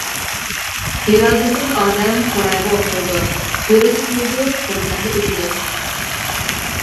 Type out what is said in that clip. ئىرادىسىز ئادەم قورايغا ئوخشايدۇ، گۈررىدە كۆيىدۇ، بىردەمدە ئۆچىدۇ.